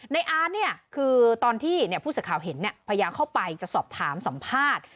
อาร์ตเนี่ยคือตอนที่ผู้สื่อข่าวเห็นพยายามเข้าไปจะสอบถามสัมภาษณ์